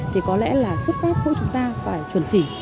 thì có lẽ là xuất phát mỗi chúng ta phải chuẩn chỉ